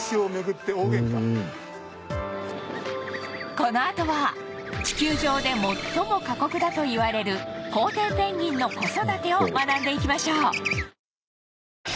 このあとは地球上で最も過酷だといわれるコウテイペンギンの子育てを学んでいきましょう